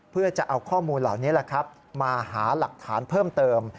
เพื่อจะเอาข้อมูลเหล่านี้มาหาหลักฐานเพิ่มเติม